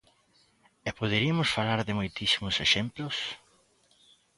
E poderiamos falar de moitísimos exemplos.